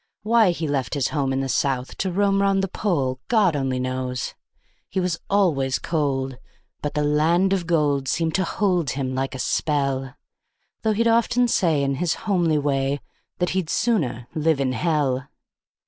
Why he left his home in the South to roam 'round the Pole, God only knows. He was always cold, but the land of gold seemed to hold him like a spell; Though he'd often say in his homely way that he'd "sooner live in hell".